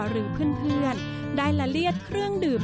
หรือเพื่อนได้ละเลียดเครื่องดื่ม